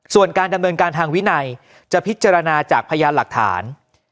ส่วนการดำเนินการทางวินัยจะพิจารณาจากพยานหลักฐาน